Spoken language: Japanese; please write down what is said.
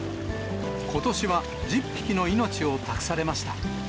ことしは１０匹の命を託されました。